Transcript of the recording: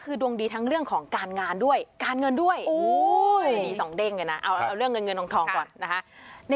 คุณยังต้องช่ายค่าหน่วยกิจหรอคะ